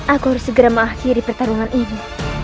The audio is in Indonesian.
aku harus segera mengakhiri pertarungan ini